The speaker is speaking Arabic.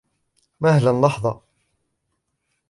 مهلا لحظة.